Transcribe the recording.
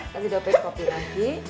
kasih dopek kopi lagi